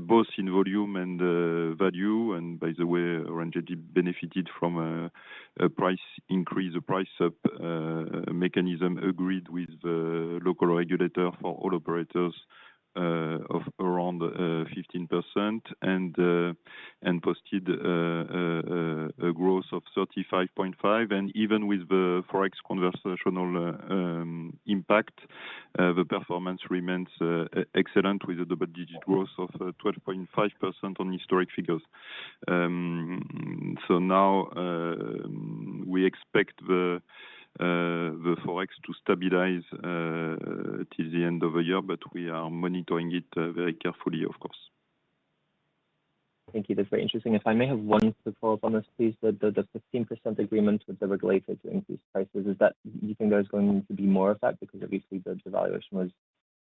both in volume and value. And by the way, Orange Egypt benefited from a price increase, a price-up mechanism agreed with the local regulator for all operators of around 15% and posted a growth of 35.5%. Even with the forex conversion impact, the performance remains excellent with a double-digit growth of 12.5% on historic figures. Now we expect the forex to stabilize till the end of the year. We are monitoring it very carefully, of course. Thank you. That's very interesting. If I may have one quick follow-up on this, please. The 15% agreement with the regulator to increase prices, do you think there's going to be more effect because obviously, the devaluation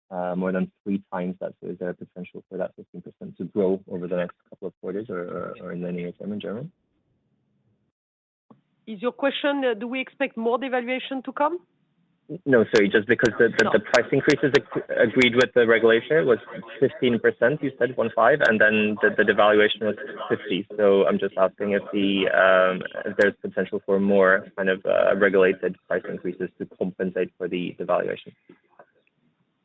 was more than three times that? So is there a potential for that 15% to grow over the next couple of quarters or in the near term in general? Is your question, do we expect more devaluation to come? No, sorry. Just because the price increases agreed with the regulator was 15%, you said, 1.5%. And then the devaluation was 50%. So I'm just asking if there's potential for more kind of regulated price increases to compensate for the devaluation.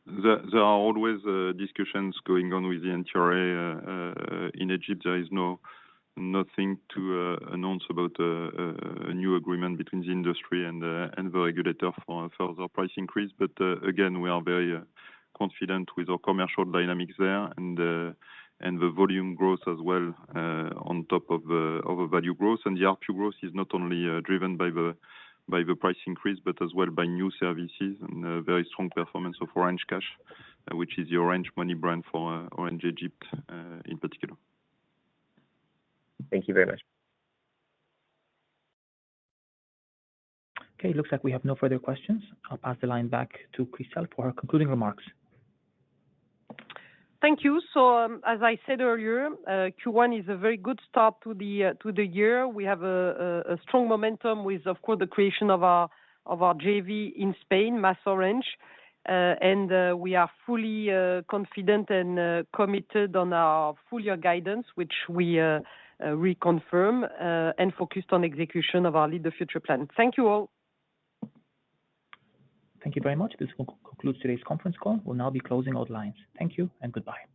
There are always discussions going on with the NTRA in Egypt. There is nothing to announce about a new agreement between the industry and the regulator for further price increase. But again, we are very confident with our commercial dynamics there and the volume growth as well on top of the value growth. The ARPU growth is not only driven by the price increase but as well by new services and very strong performance of Orange Cash, which is the Orange Money brand for Orange Egypt in particular. Thank you very much. Okay. It looks like we have no further questions. I'll pass the line back to Christel for her concluding remarks. Thank you. As I said earlier, Q1 is a very good start to the year. We have a strong momentum with, of course, the creation of our JV in Spain, MasOrange. We are fully confident and committed on our full-year guidance, which we reconfirm, and focused on execution of our Lead the Future plan. Thank you all. Thank you very much. This concludes today's conference call. We'll now be closing our lines. Thank you and goodbye.